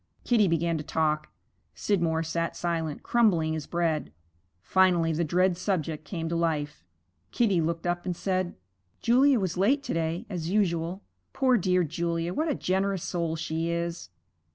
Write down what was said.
Kitty began to talk. Scidmore sat silent, crumbling his bread. Finally the dread subject came to life. Kitty looked up and said, 'Julia was late to day, as usual. Poor dear Julia, what a generous soul she is!'